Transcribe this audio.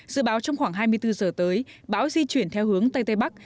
dự báo trong khoảng hai mươi bốn giờ tới bão di chuyển theo hướng tây tây bắc